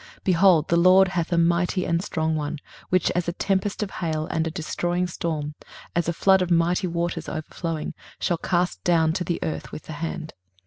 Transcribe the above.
23:028:002 Behold, the Lord hath a mighty and strong one, which as a tempest of hail and a destroying storm, as a flood of mighty waters overflowing, shall cast down to the earth with the hand.